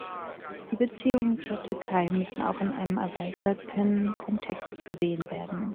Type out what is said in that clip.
Die Beziehungen zur Türkei müssen auch in einem erweiterten Kontext gesehen werden.